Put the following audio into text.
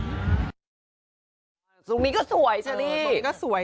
ภูมิก็สวยใช่ไหมลี่ภูมิก็สวย